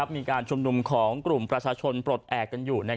มีการชุมนุมของกลุ่มประชาชนปลดแอบกันอยู่